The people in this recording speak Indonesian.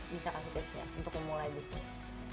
bisa kasih tips ya untuk memulai bisnis